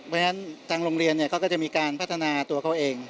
เพราะฉะนั้นทางโรงเรียนเขาก็จะมีการพัฒนาตัวเขาเอง